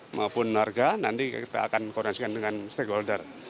maupun harga nanti kita akan koreksikan dengan stakeholder